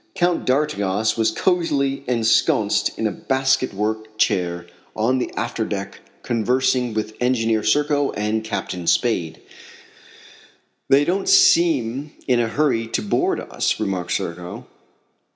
Count d'Artigas was cosily ensconced in a basket work chair on the after deck, conversing with Engineer Serko and Captain Spade. "They don't seem in a hurry to board us," remarked Serko.